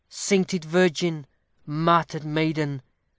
Sainted virgin! martyr'd maiden!